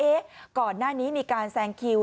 ก่อนหน้านี้มีการแซงคิว